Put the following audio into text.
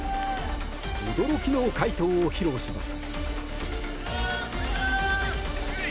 驚きの快投を披露します。